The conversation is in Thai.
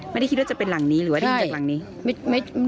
ไม่ได้คิดว่าจะเป็นหลังนี้หรือว่าได้ยินจากหลังนี้